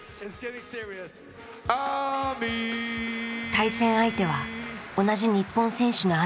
対戦相手は同じ日本選手のＡＭＩ。